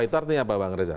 itu artinya apa bang reza